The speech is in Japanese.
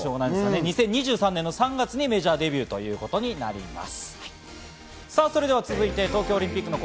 ２０２３年、３月にメジャーデビューとなります。